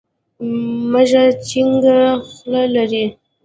مږه چينګه خوله لري.